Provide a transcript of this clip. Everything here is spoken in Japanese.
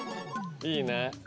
いいね。